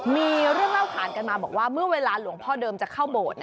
มีเรื่องเล่าขานกันมาบอกว่าเมื่อเวลาหลวงพ่อเดิมจะเข้าโบสถ์